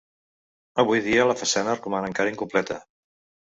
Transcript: Avui dia la façana roman encara incompleta.